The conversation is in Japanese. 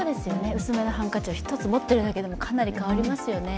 薄めのハンカチを１つ持っているだけでもかなり変わりますよね。